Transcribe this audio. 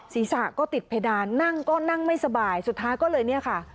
ศีรษะก็ติดเพดานนั่งก็นั่งไม่สบายสุดท้ายก็เลยเนี่ยค่ะ